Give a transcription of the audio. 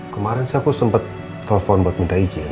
kemarin sih aku sempat telepon buat minta izin